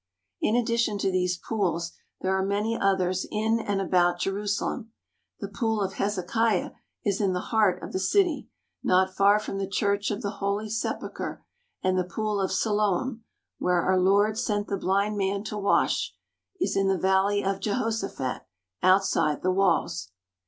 In addition to these pools there are many others in and about Jerusalem. The Pool of Hezekiah is in the heart of the city, not far from the Church of the Holy Sepul chre; and the Pool of Siloam, where Our Lord sent the blind man to wash, is in the valley of Jehoshaphat, out side the walls.